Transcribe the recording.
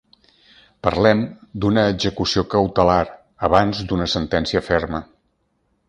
Parlem d’una execució cautelar abans d’una sentència ferma.